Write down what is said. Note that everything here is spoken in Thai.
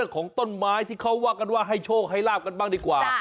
ของต้นไม้ที่เขาว่ากันว่าให้โชคให้ลาบกันบ้างดีกว่า